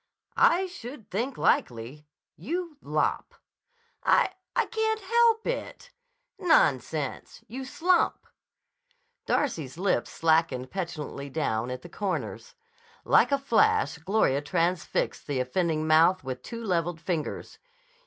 "I should think likely. You lop." "I—I can't help it." "Nonsense! You slump." Darcy's lips slackened petulantly down at the corners. Like a flash, Gloria transfixed the offending mouth with two leveled fingers.